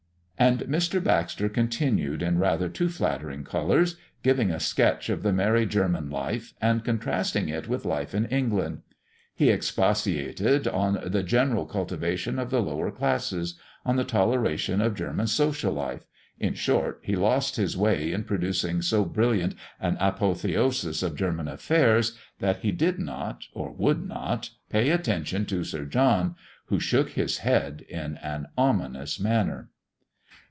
And Mr. Baxter continued, in rather too flattering colours, giving a sketch of the merry German life, and contrasting it with life in England. He expatiated on the general cultivation of the lower classes, on the toleration of German social life in short, he lost his way in producing so brilliant an apotheosis of German affairs, that he did not, or would not, pay attention to Sir John, who shook his head in an ominous manner.